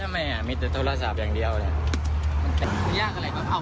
เดี๋ยวก็ทื้บเดี๋ยวเดี๋ยวเดี๋ยว